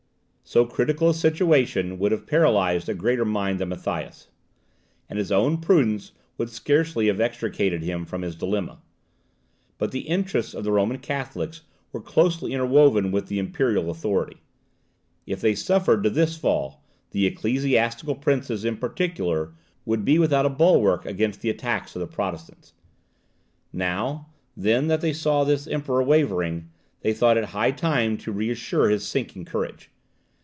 So critical a situation would have paralysed a greater mind than Matthias; and his own prudence would scarcely have extricated him from his dilemma. But the interests of the Roman Catholics were closely interwoven with the imperial authority; if they suffered this to fall, the ecclesiastical princes in particular would be without a bulwark against the attacks of the Protestants. Now, then, that they saw the Emperor wavering, they thought it high time to reassure his sinking courage.